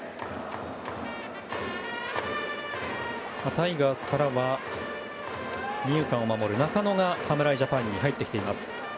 タイガースからは二遊間を守る中野が侍ジャパンに入ってきています。